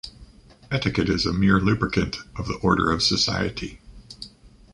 Etiquette is a mere lubricant of the order of society.